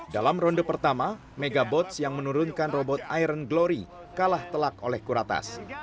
dalam ronde pertama megabotz yang menurunkan robot iron glory kalah telak oleh kuratas